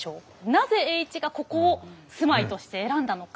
なぜ栄一がここを住まいとして選んだのか。